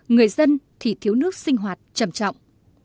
người dân thì thiếu nước sinh hoạt trầm trọng